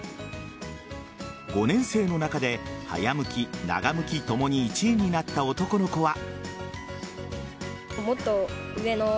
５年生の中で早むき、長むきともに１位になった男の子は。